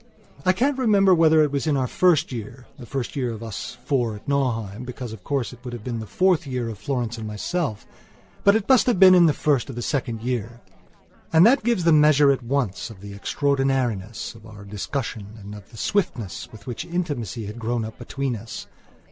I can't remember whether it was in our first yearthe first year of us four at Nauheim, because, of course, it would have been the fourth year of Florence and myselfbut it must have been in the first or second year. And that gives the measure at once of the extraordinariness of our discussion and of the swiftness with which intimacy had grown up between us.